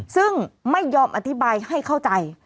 ซึ่งไม่ยอมอธิบายให้เข้าใจ